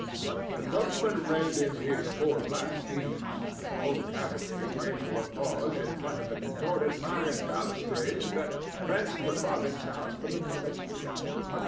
The coachman reined in his four black steeds, and the whole cavalcade came to a pause in front of the contorted iron balustrade that fenced the province house from the public street.